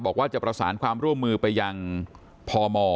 บอกว่าจะประสานความร่วมมือไปยังพม